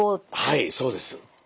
はいそうです。